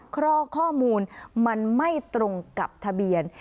เพราะข้อมูลมันไม่ตรงกับทะเบียน